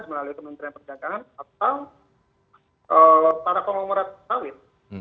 melalui kementerian perdagangan atau para konglomerat sawit